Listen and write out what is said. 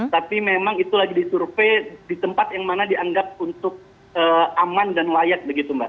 tapi memang itu lagi disurvey di tempat yang mana dianggap untuk aman dan layak begitu mbak